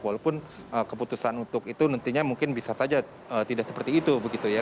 walaupun keputusan untuk itu nantinya mungkin bisa saja tidak seperti itu begitu ya